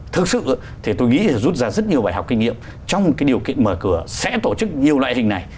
thực sự thì tôi nghĩ rút ra rất nhiều bài học kinh nghiệm trong cái điều kiện mở cửa sẽ tổ chức nhiều loại hình này